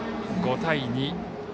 ５対２。